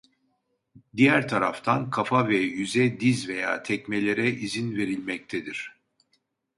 Diğer taraftan kafa ve yüze diz veya tekmelere izin verilmektedir.